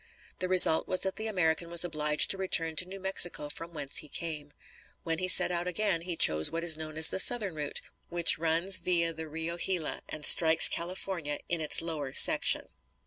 The result was that the American was obliged to return to New Mexico from whence he came. When he set out again, he chose what is known as the Southern Route, which runs via the Rio Gila and strikes California in its lower section.